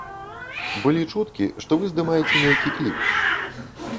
Былі чуткі, што вы здымаеце нейкі кліп.